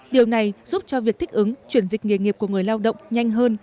điều này giúp cho việc thích ứng chuyển dịch nghề nghiệp của người lao động nhanh hơn